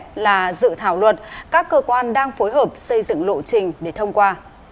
đây là dự thảo luật các cơ quan đang phối hợp xây dựng lộ trình để thông qua